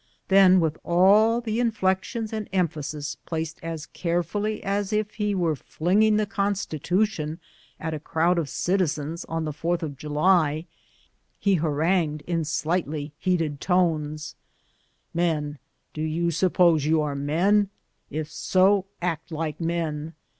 Then, with all the inflections and emphasis placed as carefully as if he were flinging the Constitution at a crowd of citizens on the 4th of July, he harangued in slightly heated tones, "Men, do you suppose you are men? If so, act like men.